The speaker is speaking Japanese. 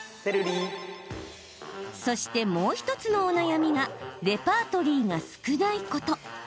そして、もう１つのお悩みがレパートリーが少ないこと。